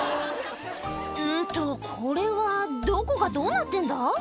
うんとこれはどこがどうなってんだ？